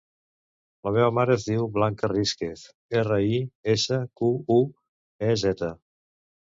La meva mare es diu Blanca Risquez: erra, i, essa, cu, u, e, zeta.